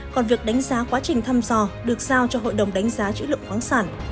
còn việc đánh giá quá trình thăm dò được giao cho hội đồng đánh giá chữ lượng khoáng sản